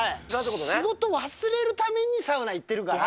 仕事を忘れるためにサウナいってるから。